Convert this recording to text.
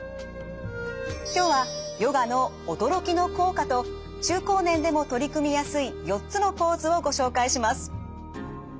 今日はヨガの驚きの効果と中高年でも取り組みやすい４つのポーズをご紹介します。